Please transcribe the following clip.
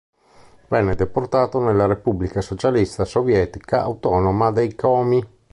Venne deportato nella Repubblica Socialista Sovietica Autonoma dei Komi.